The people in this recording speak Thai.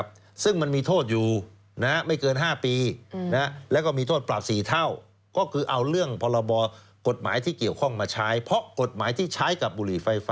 หรือกรณีอื่นก็ตามตำรวจสามารถเอาพรบที่มีอยู่ทั้งหมดจากหน่วยงานนั้น